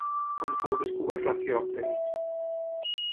Quan fou descobert l'arqueòpterix?